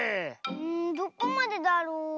うんどこまでだろう？